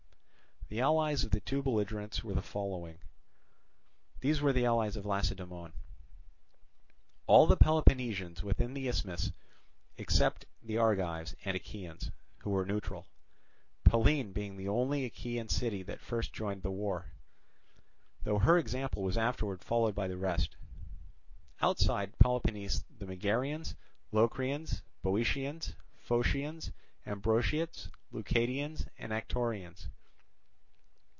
The allies of the two belligerents were the following. These were the allies of Lacedaemon: all the Peloponnesians within the Isthmus except the Argives and Achaeans, who were neutral; Pellene being the only Achaean city that first joined in the war, though her example was afterwards followed by the rest. Outside Peloponnese the Megarians, Locrians, Boeotians, Phocians, Ambraciots, Leucadians, and Anactorians.